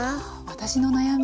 私の悩み